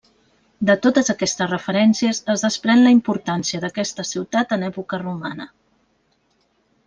De totes aquestes referències es desprèn la importància d'aquesta ciutat en època romana.